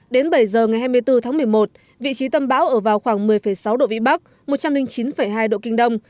đến bảy giờ ngày hai mươi bốn tháng một mươi một vị trí tâm bão ở vào khoảng một mươi sáu độ vĩ bắc một trăm linh chín hai độ kinh đông